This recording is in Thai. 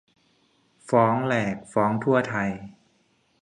ฟ้องแหลกฟ้องทั่วไทย